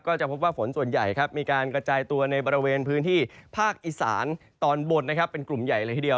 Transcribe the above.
ก็จะพบว่าฝนส่วนใหญ่มีการกระจายตัวในบริเวณพื้นที่ภาคอีสานตอนบนเป็นกลุ่มใหญ่เลยทีเดียว